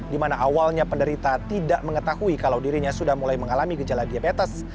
di mana awalnya penderita tidak mengetahui kalau dirinya sudah mulai mengalami gejala diabetes